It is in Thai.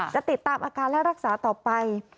จะติดตามอาการและรักษาต่อไป